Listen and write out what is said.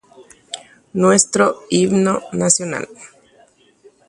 Ñane Retã Purahéi Guasu